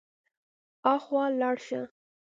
هاخوا لاړ شه.